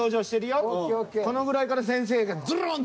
このぐらいから先生がズルン！